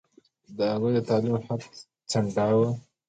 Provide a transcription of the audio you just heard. هغوی د تعلیم حق ځنډاوه.